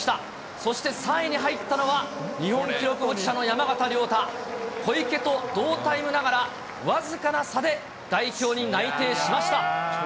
そして３位に入ったのは、日本記録保持者の山縣亮太。小池と同タイムながら、僅かな差で代表に内定しました。